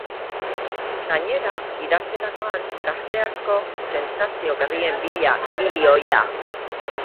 Gainera, gidatzerakoan gazte asko sentsazio berrien bila ibili ohi da.